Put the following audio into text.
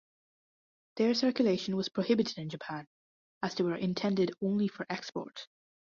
Their circulation was prohibited in Japan, as they were intended only for export.